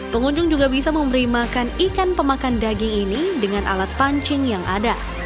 pengunjung juga bisa memberi makan ikan pemakan daging ini dengan alat pancing yang ada